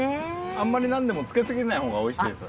あんまりなんでも漬けすぎないほうがおいしいです。